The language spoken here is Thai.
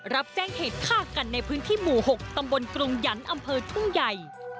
รับแจ้งเหตุฆ่ากันในพื้นที่หมู่๖ตำบลกรุงหยันต์อำเภอทุ่งใหญ่